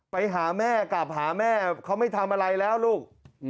ไปหาแม่กลับหาแม่เขาไม่ทำอะไรแล้วลูก